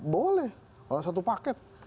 boleh orang satu paket